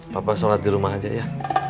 papa sholat di rumah aja ya